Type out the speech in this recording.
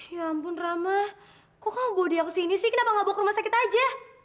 ya ampun ramah kok bawa dia ke sini sih kenapa gak bawa ke rumah sakit aja